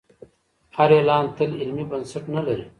هر اعلان تل علمي بنسټ نه لري.